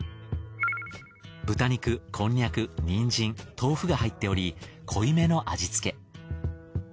豚肉こんにゃくニンジン豆腐が入っており濃いめの味付け。